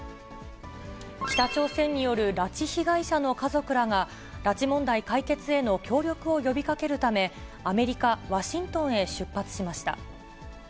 北朝鮮による拉致被害者の家族らが、拉致問題解決への協力を呼びかけるため、アメリカ・ワシントンへ出発しました。